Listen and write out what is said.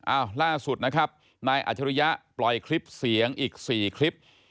ล่าสุดนะครับนายอัจฉริยะปล่อยคลิปเสียงอีก๔คลิป